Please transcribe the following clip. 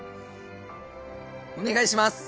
お願いします。